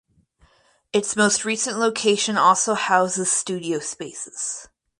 Its most recent location also houses studio spaces.